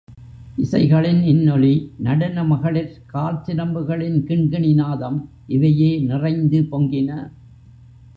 இசைகளின் இன்னொலி, நடன மகளிர் காற்சிலம்புகளின் கிண்கிணி நாதம், இவையே நிறைந்து பொங்கின.